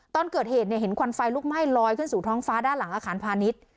ตอนเกิดเหตุเห็นควันไฟลุกไหม้ลอยขึ้นสู่ท้องฟ้าด้านหลังอาคารพาณิชย์